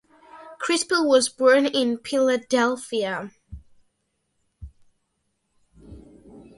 Crispell was born in Philadelphia.